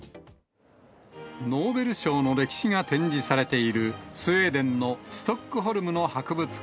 ノーベル賞の歴史が展示されている、スウェーデンのストックホルムの博物館。